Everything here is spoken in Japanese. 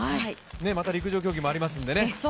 また陸上競技もありますのでね。